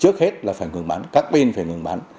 trước hết là phải ngừng bắn các bên phải ngừng bắn